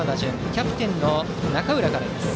キャプテンの中浦からです。